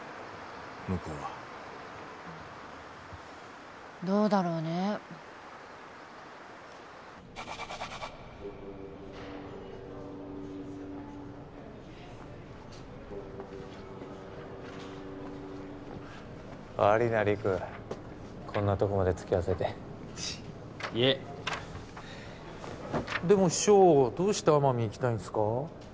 向こうはどうだろうね悪いな陸こんなとこまで付き合わせていえでも師匠どうして奄美行きたいんすか？